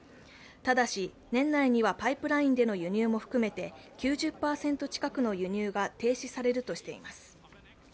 ただし、年内にはパイプラインでの輸入も含めて９０％近くの輸入が停止されるとしています。